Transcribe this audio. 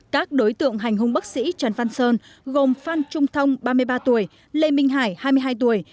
các đối tượng hành hung bác sĩ trần văn sơn gồm phan trung thông ba mươi ba tuổi lê minh hải hai mươi hai tuổi